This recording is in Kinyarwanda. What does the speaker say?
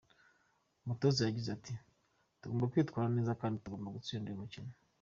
Umutoza yagize ati “Tugomba kwitwara neza kandi tugomba gutsinda uyu mukino.